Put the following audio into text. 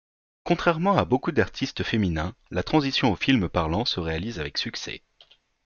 Contrairement à beaucoup d'artistes féminins, la transition au film parlant se réalise avec succès.